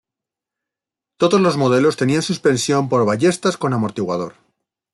Todos los modelos tenían suspensión por ballestas con amortiguador.